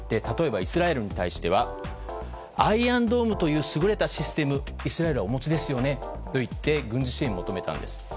例えば、イスラエルに対してはアイアンドームという優れたシステム、イスラエルはお持ちですよね？と言って軍事支援を求めたんです。